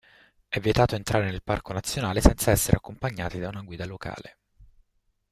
È vietato entrare nel parco nazionale senza essere accompagnati da una guida locale.